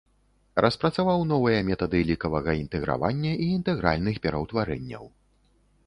Распрацаваў новыя метады лікавага інтэгравання і інтэгральных пераўтварэнняў.